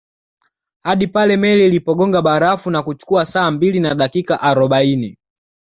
Hadi pale meli ilipogonga barafu na kuchukua saa mbili na dakika arobaini